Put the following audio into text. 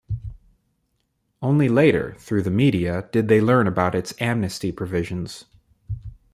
Only later, through the media, did they learn about its amnesty provisions.